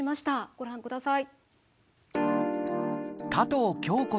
ご覧ください。